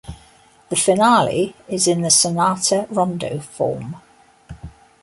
The finale is in sonata-rondo form.